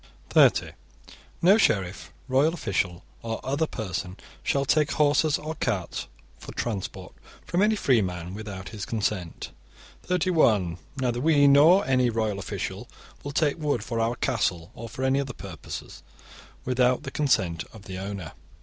(30) No sheriff, royal official, or other person shall take horses or carts for transport from any free man, without his consent. (31) Neither we nor any royal official will take wood for our castle, or for any other purpose, without the consent of the owner.